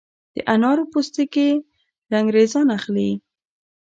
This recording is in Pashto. د انارو پوستکي رنګریزان اخلي؟